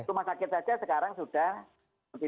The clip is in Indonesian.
rumah sakit saja sekarang sudah lebih